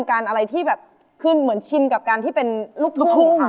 อะไรที่แบบคือเหมือนชินกับการที่เป็นลูกทุ่งค่ะ